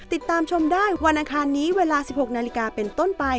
ติดตามชมได้วันอังคารนี้เวลา๑๖นาฬิกาเป็นต้นไป